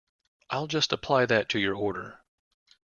I'll just apply that to your order.